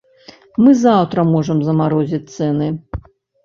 Мы заўтра можам замарозіць цэны.